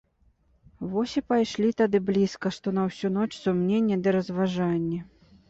Вось і пайшлі тады блізка што на ўсю ноч сумненні ды разважанні.